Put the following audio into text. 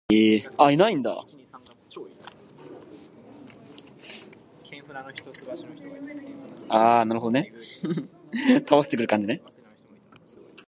This is becoming more and more evident every year.